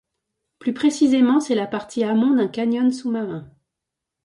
Plus précisément c'est la partie amont d'un canyon sous-marin.